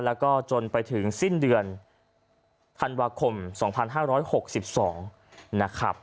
แล้วก็จนไปถึงสิ้นเดือนธันวาคม๒๕๖๒นะครับ